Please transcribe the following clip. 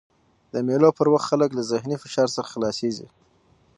د مېلو پر وخت خلک له ذهني فشار څخه خلاصيږي.